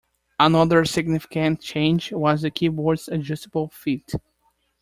Another significant change was the keyboard's adjustable feet.